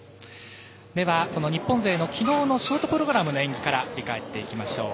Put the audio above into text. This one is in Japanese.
では、その日本勢の昨日のショートプログラムの演技から振り返っていきましょう。